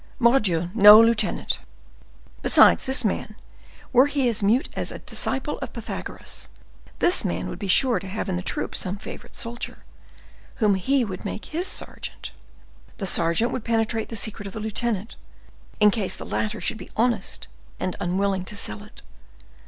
Mordioux! no lieutenant. Besides, this man, were he as mute as a disciple of Pythagoras,—this man would be sure to have in the troop some favorite soldier, whom he would make his sergeant; the sergeant would penetrate the secret of the lieutenant, in case the latter should be honest and unwilling to sell it.